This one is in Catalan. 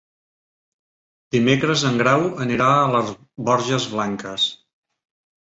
Dimecres en Grau anirà a les Borges Blanques.